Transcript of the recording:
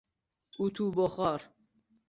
اتو بخار